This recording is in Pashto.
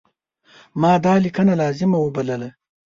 ما دا لیکنه لازمه وبلله.